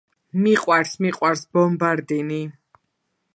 მიყვარს მიყვარს ბომბარდინი